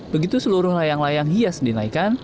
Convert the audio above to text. begitu seluruh layang layang hias dinaikkan